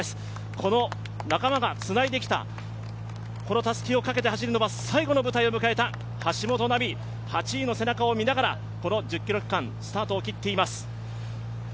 この仲間がつないできた、たすきをかけて走るのは最後の舞台を迎えた８位の背中を見ながら１０ｋｍ区間、スタートを切っています。